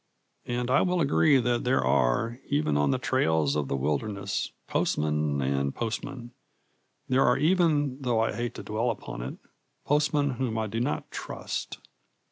And I will agree that there are, even on the trails of the wilderness, postmen and postmen. There are even, though I hate to dwell upon it, postmen whom I do not trust.